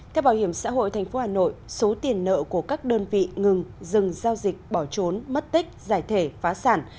theo bảo hiểm xã hội tp hà nội số tiền nợ của các đơn vị ngừng dừng giao dịch bỏ trốn mất tích giải thể phá sản